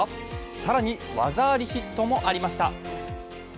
更に、技ありヒットもありました。